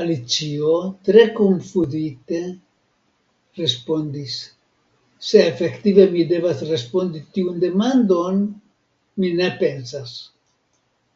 Alicio, tre konfuzite, respondis: "Se efektive mi devas respondi tiun demandon, mi ne pensas."